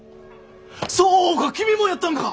そうか君もやったんか！